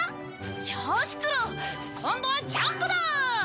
よーしクロ今度はジャンプだ！